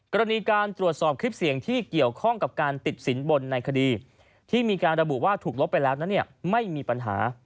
กรณีการตรวจสอบคลิปเสียงที่เกี่ยวข้องกับการติดสินบนในคดีที่มีการระบุว่าถูกลบไปแล้วนั้นไม่มีปัญหา